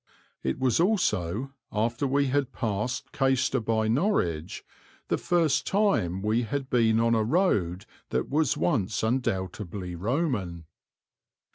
It was also, after we had passed Caistor by Norwich, the first time we had been on a road that was once undoubtedly Roman.